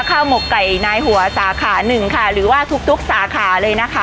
หมกไก่นายหัวสาขาหนึ่งค่ะหรือว่าทุกทุกสาขาเลยนะคะ